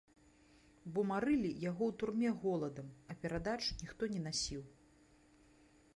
Бо марылі яго ў турме голадам, а перадач ніхто не насіў.